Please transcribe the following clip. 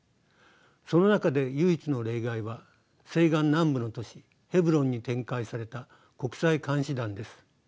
その中で唯一の例外は西岸南部の都市ヘブロンに展開された国際監視団です。